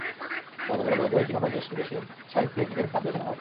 তবে যোগাযোগ একেবারে ক্ষীণ নয়, দেশ-বিদেশের সাহিত্যে ক্রিকেট স্থান পেয়েছে নানাভাবে।